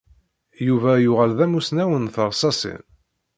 Yuba yuɣal d amussnaw n teṛsaṣin.